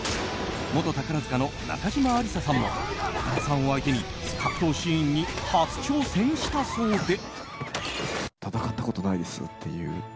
元宝塚の中島亜梨沙さんも岡田さんを相手に格闘シーンに初挑戦したそうで。